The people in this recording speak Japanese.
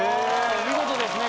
お見事ですね